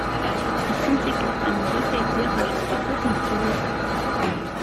Ass-en d tikelt tamenzut ay ddiɣ ɣer ssuq ass n tsewwiqt.